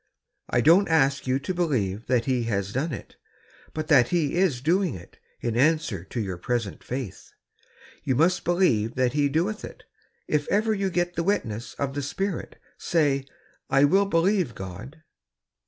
" I don't ask you to believe tliat He has done it, but that He is doing it, in answer to your present Fiith. Y''ou must believe that Fie doeth it, if ever you get the witness of the Spirit. Say, ' I will believe God.